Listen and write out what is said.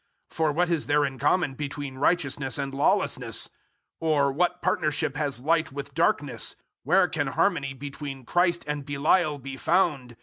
For what is there in common between righteousness and lawlessness? Or what partnership has light with darkness? 006:015 Where can harmony between Christ and Belial be found?